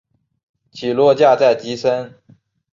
起落架在机身。